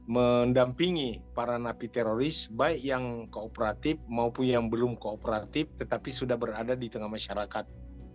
mendampingi para napi teroris baik yang kooperatif maupun yang belum kooperatif tetapi sudah berada di tengah masyarakat